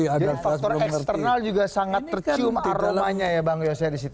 jadi faktor eksternal juga sangat tercium aromanya ya bang yosef di situ